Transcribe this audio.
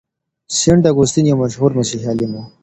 سينټ اګوستين يو مشهور مسيحي عالم و.